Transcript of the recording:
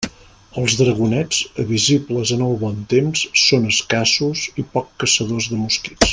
Els dragonets, visibles en el bon temps, són escassos i poc caçadors de mosquits.